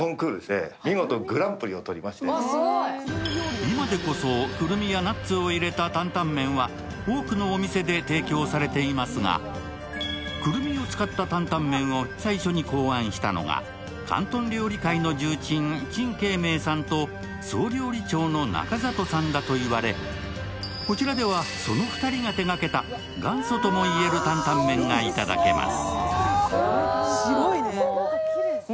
今でこそくるみやナッツを入れた担々麺は多くのお店で提供されていますが、くるみを使った担々麺を最初に考案したのが、広東料理界の重鎮、陳けい明さんと総料理長の中里さんとだと言われこちらではその２人が手がけた元祖ともいえる担々麺がいただけます。